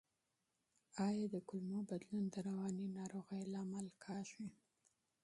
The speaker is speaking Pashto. آیا د کولمو بدلون د رواني ناروغیو سبب کیږي؟